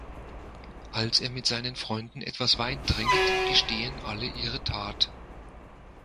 Als er mit seinen Freunden etwas Wein trinkt, gestehen alle ihre Tat.